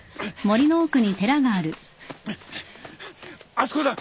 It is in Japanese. あそこだ。